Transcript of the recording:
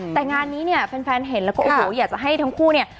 แต่งานนี้เนี่ยแฟนเห็นแล้วก็โอ้โหอยากจะให้ทั้งคู่เนี่ย